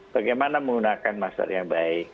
bagaimana menggunakan masker yang baik